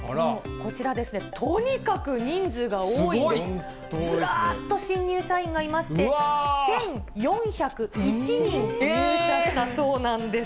こちらですね、とにかく人数が多すごい。ずらっと新入社員がいまして、１４０１人入社したそうなんです。